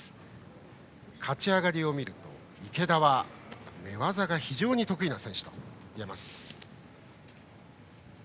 勝ち上がりを見ると池田は寝技が非常に得意な選手。